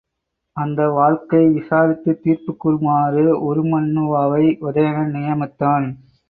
அந்த வாழ்க்கை விசாரித்துத் தீர்ப்புக் கூறுமாறு உருமண்ணுவாவை உதயணன் நியமித்தான்.